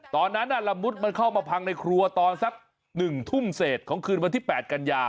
ตอนนั้นละมุดมันเข้ามาพังในครัวตอนสัก๑ทุ่มเศษของคืนวันที่๘กันยา